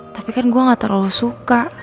tapi kan gue gak terlalu suka